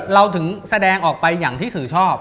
เราถึงแสดงออกไปอย่างที่สื่อชอบ